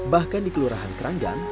bahkan di kelurahan keranggan